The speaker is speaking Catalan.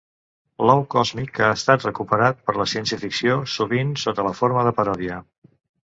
L'ou còsmic ha estat recuperat per la ciència-ficció, sovint sota la forma de paròdia.